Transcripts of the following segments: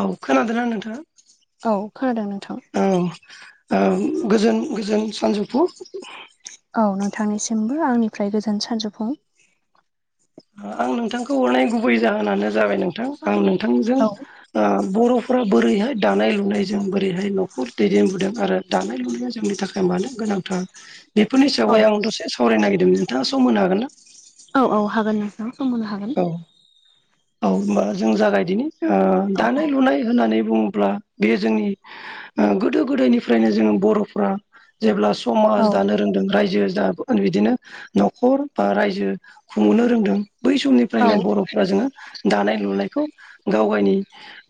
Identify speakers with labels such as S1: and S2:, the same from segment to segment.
S1: औ खोनादोंना नोंथाङा
S2: औ खोनादों नोंथां
S1: औ गोजोन गोजोन सानजौफु
S2: औ नोंथांनिसिमबो आंनिफ्राय गोजोन सानजोफुं
S1: आं नोंथांखौ हरनाय गुबै जाहोनानो जाबाय नोंथां आं नोंथांजों
S2: औ
S1: बर'फ्रा बोरैहाय दानाय लुनायजों बोरैहाय न'खर दैदेनबोदों आरो दानाय लुनाया जोंनि थाखाय मानो गोनांथार बेफोरनि
S2: औ
S1: सायावाय आं दसे सावरायनो नागिरदोंमोन नोंथाङा सम होनो हागोन ना?
S2: औ औ हागोन नोंथां‌ सम होनो हागोन
S1: औ औ होनबा जों जागायदिनि
S2: औ
S1: दानाय लुनाय होननानै बुङोब्ला बे जोंनि गोदो गोदायनिफ्रायनो जों बर'फ्रा जेब्ला समाज
S2: औ
S1: दानो बिदिनो रायजो न'खर बा रायजो खुंबोनो रोंदों बै समनिफ्रायनो
S2: औ
S1: बर'फोरा जोङो दानाय लुनायखौ गाव गावनि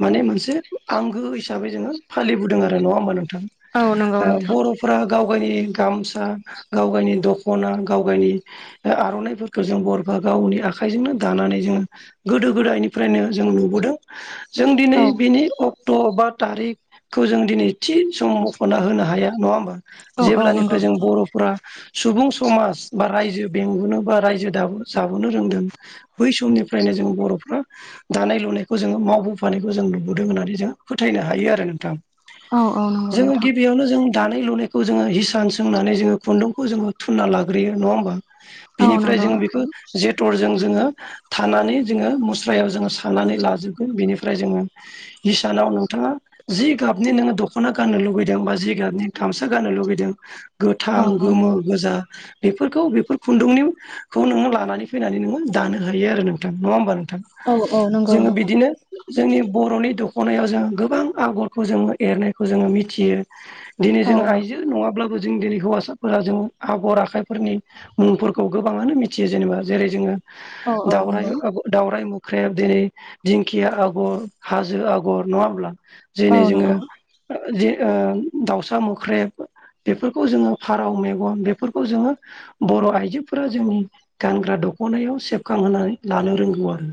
S1: माने मोनसे आंगो हिसाबै जोङो फालिबोदों आरो नङा होमबा नोंथां
S2: औ नंगौ नोंथां
S1: बर'फोरा फ्रा गाव गावनि गामसा गाव गावनि दख'ना गाव गावनि आर'नाफोरखौ जों बर'फोरा गावनि आखायजों आखाइजोंनो दानानै जोङो गोदो गोदायनिफ्रायनो जों नुबोदों जों दिनै
S2: औ
S1: बिनि अ द' बा थारिखखौ जों दिनै थि सम मख'ना होनो हाया नङा होमबा
S2: औ औ नंगौ
S1: जेब्लानिफ्राय जों बर'फोरा सुबुं समाज बा रायजो बेंबोनो बा रायजो जाबोनो रोंदों बै समनिफ्रायनो जों बर'फ्रा दानाय लुनायखौ जोङो मावबोफानायखौ जों नुबोदों होननानै जोंङ फोथायनो हायो आरो नोंथां
S2: औ औ नंगौ
S1: जोङो
S2: नोंथां
S1: गिबियावनो जों दानाय लुनायखौ जोङो हिसान सोंनानै जोङो खुन्दुंखौ जोङो थुनना लाग्रोयो नङा होमबा?
S2: औ
S1: बिनिफ्राय
S2: नंगौ
S1: जोङो बेखौ
S2: नोंथां
S1: जेनथेर जों जोङो थानानै जोङो मुस्रायाव जोङो सानानानै लाजोबगोन बेनिफ्राय जोङो हिसानाव नोंथाङा जि गाबनि नोङो दख'ना गाननो लुगैदों बा जि गाबनि गामसा गाननो लुगैदों। गोथां
S2: औ औ
S1: गोमो गोजा बेफोरखौ बेफोर खुन्दुंनिखौ नोङो लानानै फैनानै नोङो दानो हायो आरो नोंथां नङा होमबा नोंथां
S2: औ औ नंगौ
S1: जोङो
S2: नोंथां
S1: बिदिनो जोंनि बर'नि दख'नायाव जों गोबां आगरखौ जो एरनायखौ जोङो मिथियो। दिनै
S2: औ
S1: जों आइजो नङाब्लाबो जों दिनै हौवासाफोरा जों आगर आखाइफोरनि मुंफोरखौ गोबाङानो मिथियो जेनेबा जेरै जोङो
S2: औ औ
S1: दावराइ
S2: नंगौ
S1: दावरराय मुख्रेब दिनै दिंखिया आगर हाजो आगर नङा होमब्ला
S2: औ
S1: जेरै जोङो
S2: नंगौ
S1: दाउसा मोख्रेब बेफोरखौ जोङो फारौ मेगन बेफोरखौ जोङो बर' आइजोफोरा जोंनि गानग्रा दख'नायाव सेबखांहानै लानो रोंगौ आरो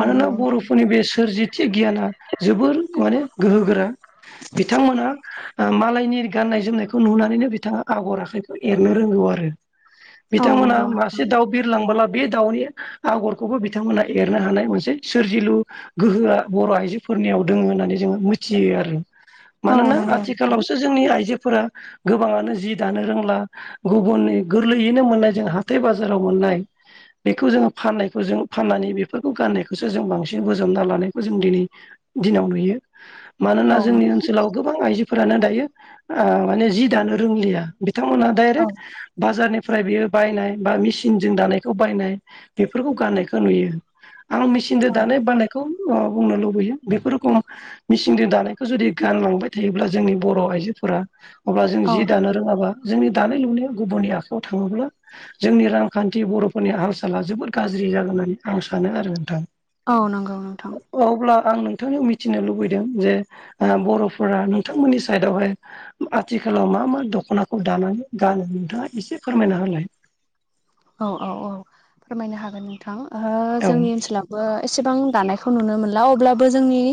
S2: औ नंगौ
S1: बर'फोरनि बे सोरजि मोनसे गियाना जोबोर माने गोहोोगोरा बिथांमोना मालायनि गाननाय जोमनायखौ नुनानैनो बिथाङा आगर आखाइखौ एरनो रोंगौ आरो
S2: औ नंगौ
S1: बिथांमोनहा
S2: नोंथां
S1: मासे दाउ बिरलांबोला बे दाउनि आगरखौबो बिथांमोनहा एरनो हानाय मोनसे सोरजिलु। गोहोआ बर' आइजोफोरनियाव दोङो होननानै जोङो मिथियो आरो
S2: औ
S1: मानोना
S2: नंगौ नोंथां
S1: आथिखालावसो जोंनि आइजोफोरा गोबाङानो जि दानो रोंला गुबुननि गोरलैयैनो मोननाय जों हाथाय बाजाराव मोननाय बेखौ जोङो फाननायखौ जों फाननानै बेफोरखौ गाननायखौसो जों बांसिन बजाबना लानायखौ जों दिनै दिनाव नुयो मानोना
S2: औ
S1: जोंनि
S2: नंगौ
S1: ओनसोलाव गोबां आइजोफोरानो दायो माने जि दानो रोंलिया बिथांमोना
S2: औ
S1: डाइरेक्ट बाजारनिफ्राय बेयो बायनाय बा मेसिनजों दानायखौ बायनाय बेफोरखौ गाननायखौ नुयो। आं मेचिनजों
S2: औ
S1: दानाय बानायखौ बुंनो लुबैयो बेफोर रोखोम मिसिनजों दानायखौ जुदि गानलांबाय थायोब्ला जोंनि बर' आइजोफोरा अब्ला जों जि
S2: औ
S1: दानो रोङाब्ला जोंनि दानाय लुनाया गुबुननि आखाइायाव थाङोब्ला जोंनि रांखान्थि बर' नि हालसाला जोबोद गाज्रि जागोन होननानै आं सानो आरो नोंथां।
S2: औ नंगौ नोंथां।
S1: अब्ला आं नोंथांयाव मिथिनो लुबैदों जे बर'फोरा नोंथांमोननि साइडआवहाय आथिखालाव मा मा दख'नाखौ दानानै गानो नोंथाङा एसे फोरमायना होलाय।
S2: औ औ औ फोरमायनो हागोन नोंथां
S1: औ
S2: जोंनि ओनसोलाव ओ एसेबां दानायखौ नुनो मोनला अब्लाबो जोंनि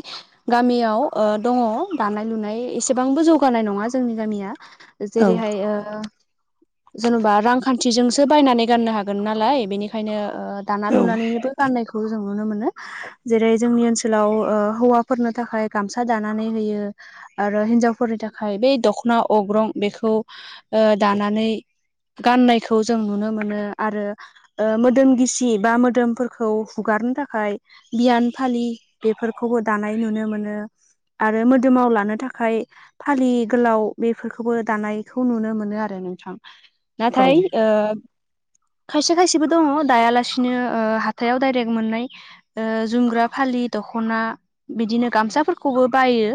S2: गामियाव ओ दङ दानाय लुनाय एसेबांबो जौगानाय नङा जोंनि गामिया
S1: औ
S2: जेरैहाय ओ जेनेबा रांखान्थिजोंसो बायनानै गाननो हागोन नालाय बेनिखायनो दाना
S1: औ
S2: लुनानैबो गाननायखौ जों नुनो मोनो। जेरै जोंनि ओनसोलाव हौवाफोरनो थाखाय गामसा दानानै होयो। आरो हिन्जावफोरनि थाखाय बै दखना अग्रं बेखौ दानानै गाननायखौ जों नुनो मोनो आरो। मोदोम गिसि बा मोदोमफोरखौ हुगारनो थाखाय बियान फालि बेफोरखौबो दानाय नुनो मोनो। आरो मोदोमाव लानो थाखाय फालि गोलाव बेफोरखौबो दानायखौ नुनो मोनो आरो नोंथां। नाथाय ओ खायसे खायसेबो दङ दायालासिनो हाथायाव दडाइरेक्ट मोननाय जुमग्रा फालि दख'ना बिदिनो गामसाफोरखौबो बायो।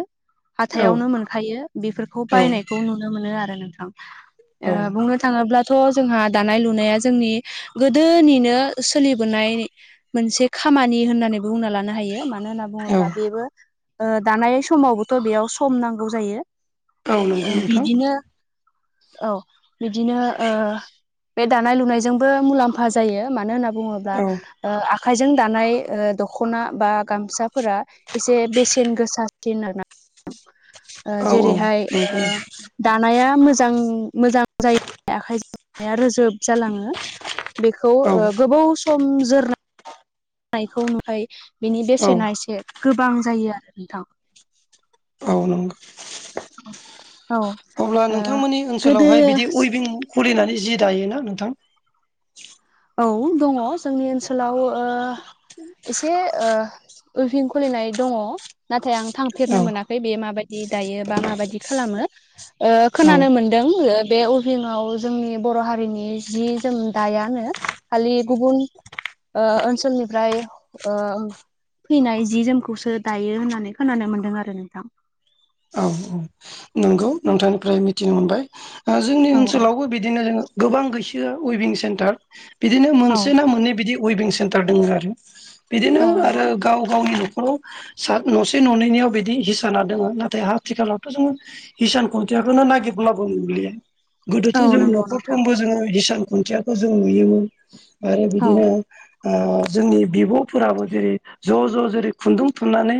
S1: औ
S2: हाथायावनो मोनखायो बेफोरखौ बायनायखौ नुनो मोनो आरो नोंथां बुङो थाङोब्लाथ' जोंहा दानाय लुनाया जोंनि गोदोनिनो सोलिबोनाय मोनसे खामानि होननानैबो बुंना लानो हायो मा मानो होनना बुङोब्ला बेबो दानाय समावबोथ' बेयाव सम नांगौ जायो।
S1: औ नंगौ नोंथां
S2: बिदिनो औ बिदिनो ओ बे लुनायजोंबो मुलाम्फा जायो मानो होनना बुङोब्ला
S1: औ
S2: आखायजों दानाय दखना बा गामसाफोरा एसे बेसेन गोसा [unintelligible]
S1: औ
S2: जेरैहाय
S1: नंगौ
S2: दानाया मोजां मोजां जायो आखाइजोंनाया रोजोब जालाङो बेखौ
S1: औ
S2: ओ गोबाव सम जोर नायखौ ओमफ्राय बिनि बेसेना
S1: औ
S2: एसे गोबां जायो आरो नोंथां
S1: औ नंगौ
S2: ओ
S1: अब्ला नोंथांमोननि
S2: गोदो
S1: ओनसोलावहाय बिदि उइभिं खुलिनानै जि दायोना नोंथां
S2: औ दङ जोंनि ओनसोलाव एसे उइभिं खुलिनाय दङ नाथाय आं थांफेरनो
S1: औ
S2: मोनाखै बे माबायदि दायो बा माबायदि खालामो
S1: औ
S2: खोनानो मोन बे उइभिंआव जोंनि बर' हारिनि जि जोम दायानो खालि गुबुन ओनसोलनिफ्राय फैनाय जि जोमखौसो दायो होननानै खोनानो मोन्दों आरो नोंथां
S1: औ औ नंगौ नोंथांनिफ्राय मिथिनो मोनबाय जोंनि
S2: औ औ
S1: ओनसोलावबो बिदिनो जोङो गोबां गैसो उइभिं सेन्टार बिदिनो
S2: औ
S1: मोनसे ना मोननै बिदि उइभिं सेन्टार दङ आरो बिदिनो
S2: औ नंगौ
S1: आरो गाव गावनि न'खराव न'से न'नैनियाव बिदि हिसाना दोङो नाथाय आथिखालावथ' जोङो हिसान खुन्थियाखौनो नागिब्लाबो नु गोदोथ'
S2: औ
S1: जों
S2: नंगौ नोंथां
S1: न'खरफ्रोमबो जोङो बिदि हिसान खुन्थियाखौ जों नुयोमोन आरो
S2: औ
S1: बिदिनो जोंनि बिब'फोराबो जेरै ज' ज' जेरै खुन्दुं थुननानै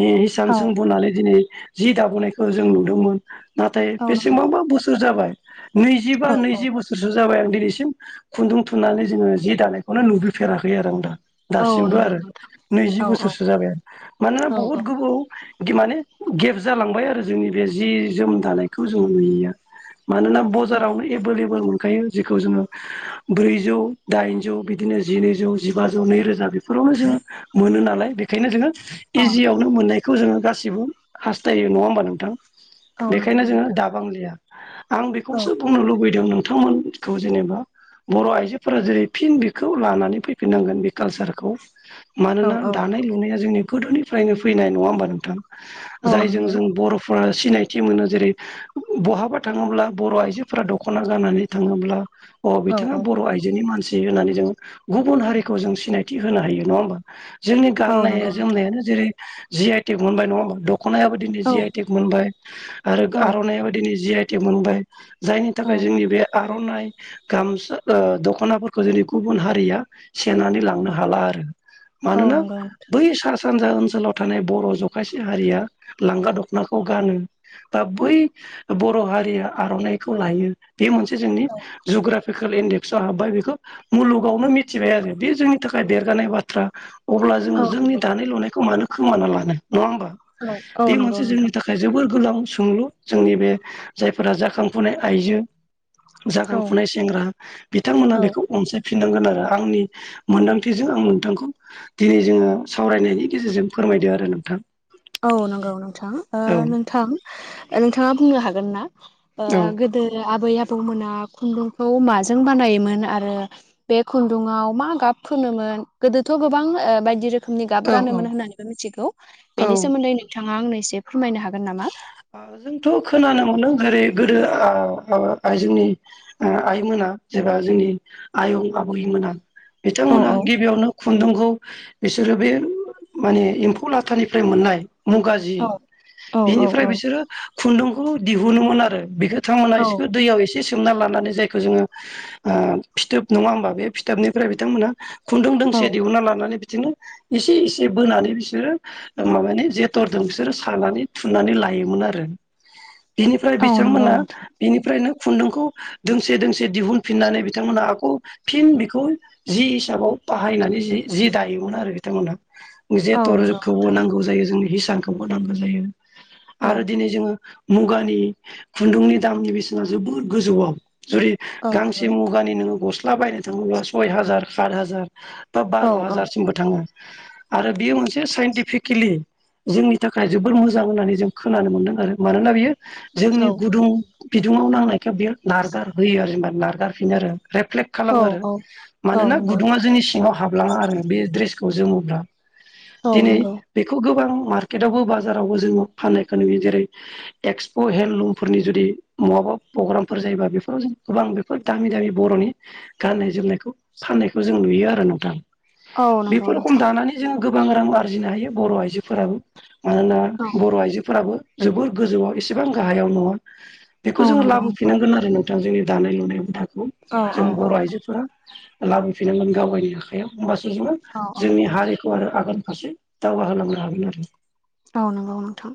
S1: हिसान
S2: औ
S1: सों बोनानै दिनै जि दाबोनायखौ जों नुदोंमोन नाथाय
S2: औ नंगौ
S1: बेसेबांबा बोसोर जाबाय नैजिबा
S2: औ औ
S1: नैजि बोसोर। सोरसो जाबाय आं दिनैसिम खुन्दुं थुननानै जोङो जि दानायखौनो नुबोफेराखै आरो आं नोंथां
S2: औ
S1: दासिमबो
S2: नंगौ
S1: आरो
S2: नोंथां
S1: नैजि
S2: औ औ
S1: बोसोरसो जाबाय आरो मानोना
S2: औ
S1: बहुद
S2: औ
S1: गोबाव माने गेब जालांबाय आरो जोंनि बे जि जोम दानायखौ जों नुयैया मानोना बजारावनो एभेलेबल मोनखायो जेखौ जोङो ब्रैजौ दाइनजौ बिदिनो जिनैजौ जिबाजौ नैरोजा बेफोरावनो जोंङो मोनो नालाय बेखायनो जोङो
S2: औ
S1: इजियावनो मोननायखौ जोङो गासिबो हास्थायो नङा होमबा नोंथां
S2: औ नंगौ
S1: बेखायनो जोङो
S2: नोंथां
S1: दाबांलिया आं
S2: औ
S1: बेखौसो बुंनो लुबैदों नोंथांमोनखौ जेनेबा बर' आइजोफोरा जेरै फिन बेखौ लानानै फैफिननांगोन बे कालसारखौ
S2: औ
S1: मानोना दानाय
S2: नंगौ
S1: लुनाया जोंनि गोदोनिफ्रायनो फैनाय नङा होमबा नोंथां
S2: औ
S1: जायजों
S2: नंगौ
S1: जों बर'फ्रा सिनायथि मोनो जेरै बहाबा थाङोब्ला बर' आइजोफोरा दख'ना गाननानै थाङोब्ला अ
S2: औ
S1: बिथाङा बर' आइजोनि मानसि होननानै जोङो गुबुन हारिखौ जों सिनायथि होनो हायो नङा होमबा जोंनि
S2: औ
S1: गाननाय
S2: नंगौ नोंथां
S1: जोमनायानो जेरै जि आइ टेक मोनबाय नङा होमबा दख'नायाबो दिनै
S2: औ
S1: जि आइ टेक मोनबाय आरो
S2: औ
S1: आर'नाइ बायदियाबो जि आइ टेक मोनबाय जायनि
S2: औ
S1: थाखाय जोंनि बे आर'नाइ गामसा दख'नाफोरखौ जोंनि गुबुन हारिया सेनानै ला
S2: औ
S1: मानोना
S2: नंगौ नोंथां
S1: बै सा सानजा ओनसोलाव थानाय बर' जखायसे हारिया लांगा दखना नाखौ गानो बा बै बर' हारिया आर'नाइखौ लायो बे मोनसे जोंनि
S2: औ
S1: जग्राफिकेल इन्डेक्सआव हाबबाय बेखौ मुलुगावनो मिथिबाय आरो बे जोंनि थाखाय देरगानाय बाथ्रा अब्ला जोङो
S2: औ
S1: जोंनि
S2: नंगौ
S1: दानाय लुनायखौ मानो खोमाना लानो नङा होमबा
S2: औ औ नंगौ नोंथां
S1: आयजोफोर गोबां सुंलु जोंनि बे जायफोरा जाखांफुनाय आइजो
S2: औ
S1: जाखांफुनाय सेंग्रा बिथांमोना
S2: औ
S1: बेखौ अनसाय फिननांगोन आरो आंनि मोन्दांथिजों आं नोंथांखौ दिनै जोङो सावरायनायनि गेजेरजों फोरमायदों आरो नोंथां
S2: औ नंगौ नोंथां नोंथां नोंथाङा बुंनो हागोनना
S1: औ
S2: गोदो आबै आबौमोना खुन्दुंखौ माजों बानायोमोन आरो बे खुन्दुआव मा गाब फोनोमोन गोदोथ गोबां बायदि रोखोम रोखोमनि गाब
S1: औ
S2: गानोमोन होननानैबो मिथिगौ
S1: औ
S2: बेनि सोमोन्दै नोंथाङा आंनो एसे फोरमायनो हागोन नामा
S1: जोंथ खोनानो मोनो जेरै गोदो आ जोंनि आइमोना जेब्ला जोंनि आयं आबैमोना
S2: औ
S1: बिथांमोना
S2: औ
S1: गिबियावनो खुन्दुंखौ बिसोरो बे माने एम्फौ लाथानिफ्राय मोननाय मुगा जि
S2: [inaudible] औ
S1: ओमफ्राय बिसोरो खुन्दुंखौ दिहुनोमोन आरो बेखौ बिथांमोना
S2: औ
S1: दैयाव एसे एसे सोमना लानानै जायखौ जोङो फिथोब नङा होमबा बे फिथोबनिफ्राय बिथांमोना खुन्दुं
S2: औ
S1: दोंसे दिहुनना लानानै बिदिनो इसे एसे बोनानै बिसोरो माबानि जेथरजों बिसोरो सानानै थुननानै लायो मोन आरो बिनिफ्राय
S2: औ नंगौ
S1: बिथांमोना
S2: नोंथां
S1: बेनिफ्रायनो खुन्दुंखौ दोंसे दोंसे दिहुनफिननानै बिथांमोना आक फिन बेखौ जि हिसाबाव बाहायनानै जि जि दायोमोन आरो बिथांमोनहा
S2: औ नंगौ
S1: जेटरखौबो
S2: नोंथां
S1: नांगौ जायो जोंनो हिसानखौबो नांगौ जायो
S2: औ
S1: आरो दिनै जोङो मुगानि खुन्दुंनि दामनि बेसेना जोबोद गोजौआव जुदि
S2: औ नंगौ
S1: गांसे मुगानि नोङो गस्ला बायनो थाङोब्ला सय हाजार सात हाजार ब
S2: औ
S1: बार
S2: औ
S1: हाजारसिमबो आरो बियो मोनसे साइन्टिफिकेलि जोंनि थाखाय जोबोर मोजां होननानै जों खोनानो मोनदों आरो मानोना बियो जोंनि
S2: औ
S1: गुदुं बिदुङाव नांनायखौ बे नारगार होयो आरो जेनबा नारगारफिनो आरो रेफ्लेग
S2: औ
S1: खालामो आरो
S2: औ औ
S1: मानोना
S2: नंगौ
S1: गुदुङा जोंनि सिङाव हाबलाङा आरो बे ड्रेसखौ जोमोब्ला
S2: औ
S1: दिनै
S2: नंगौ
S1: बेखौ गोबां मार्केटावबो बाजारावबो जोङो फाननायखौ नुयो जेरै एक्सप हेन्दलुमफोरनि जुदि महाबा प्रग्रामफोर जायोबा बेफोराव जों गोबां बेफोर दामि दामि बर'नि गाननाय जोमनायखौ फाननायखौ जों नुयो आरो नोंथां
S2: औ नंगौ
S1: बेफोर रखम
S2: नोंथां
S1: दानानै जोङो गोबां रां आरजिनो हायो बर' आइजोफोराबो मानोना
S2: औ
S1: बर' आइजोफोराबो जोबोर गोजौआव एसेबां गाहायाव नङा बेखौ
S2: औ
S1: जोंङो
S2: नंगौ नोंथां
S1: लाबोफिनांगोन आरो नों थां जोंनि दानाय लुनाय हुदाखौ
S2: औ औ
S1: जों
S2: औ
S1: बर' आइजोफोरा लाबोफिननांगोन गावगायनि आखायाव होमबासो जोङो
S2: औ औ
S1: जोंनि हारिखौ आरो आगान फारसे दावगाहोलांनो हागोन आरो
S2: औ नंगौ नोंथां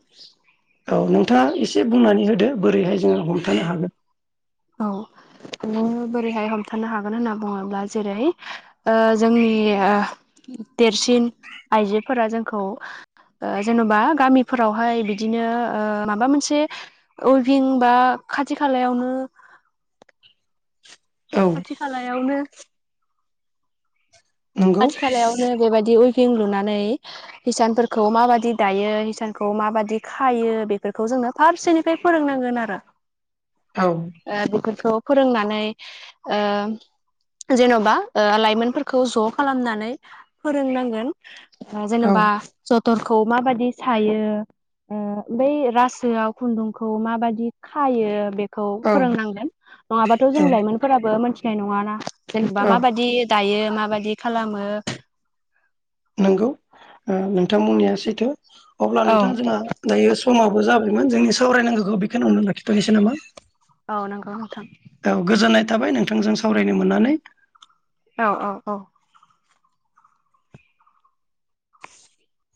S1: औ नोंथाङा एसे बुंनानै होदो बोरैहाय जोङो हमथायानो हागोन
S2: औ बोरैहाय हमथानो हागोन होनना बुङोब्ला जेरै जोंनि देरसिन आइजोफोरा जोंखौ ओ जेनबा गामिफोरावहाय बिदिनो ओ माबा मोनसे अइभिं बा खाथि खालायावनो
S1: औ
S2: खाथि खालायावनो
S1: नंगौ
S2: आथि खालायावनो बेबायदि उइभिं लुनानै हिसानफोरखौ माबादि दायो हिसानखौ माबादि खायो बेफोरखौ जोंनो फारसेनिफ्राय फोरोंनांगोन आरो
S1: औ
S2: ओ बेफोरखौ फोरोंनानै ओ जेनबा लाइमोनफोरखौ ज खालामनानै फोरोंनांगोन
S1: औ
S2: जेनेबा जथरखौ माबायदि सायो बै रासोआव खुन्दुंखौ माबाददि खायो बेफोर खौ
S1: औ
S2: फोरोंनांगोन नङाबाथ' जों लाइमोनफोराबो मोनथिनाय नङाना जेनेबा
S1: औ
S2: माबायदि दायो माबायदि खालामो
S1: नंगौ नोंथां बुंनाया सैथो अब्ला
S2: औ
S1: नोंथां जोंहा दायो समाबो जाबायमोन जोंनि सावरायनांगौखौ बेखौनियावनो लाखिथ'नोसै नामा
S2: औ नोंगौ नोंथां
S1: औ गोजोननाय थाबाय नोंथांजों सावरायनो मोननानै
S2: औ औ औ